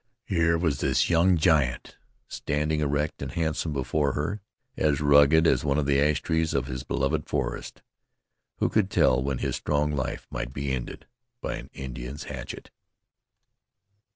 Here was this young giant standing erect and handsome before her, as rugged as one of the ash trees of his beloved forest. Who could tell when his strong life might be ended by an Indian's hatchet?